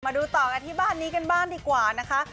มาดูต่อกันที่บ้านนี้กันบ้างดีกว่านะคะ